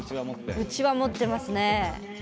うちわ持ってますね。